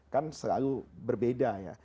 kan selalu berbeda ya